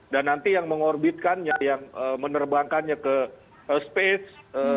dan nanti yang mengorbitkannya yang menerbangkannya ke space